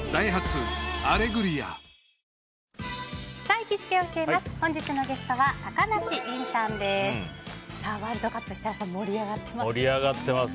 行きつけ教えます！